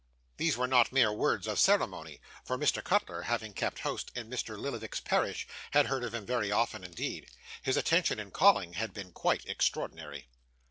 These were not mere words of ceremony; for, Mr. Cutler, having kept house in Mr. Lillyvick's parish, had heard of him very often indeed. His attention in calling had been quite extraordinary.